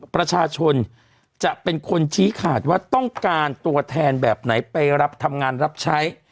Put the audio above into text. ประชาชนจะเป็นคนชี้ขาดว่าต้องการตัวแทนแบบไหนไปรับทำงานรับใช้